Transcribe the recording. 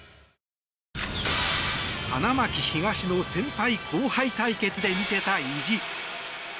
花巻東の先輩後輩対決で見せた意地。